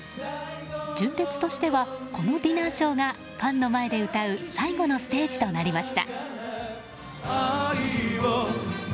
純烈としてはこのディナーショーがファンの前で歌う最後のステージとなりました。